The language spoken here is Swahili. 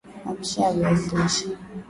mapishi ya viazi lishe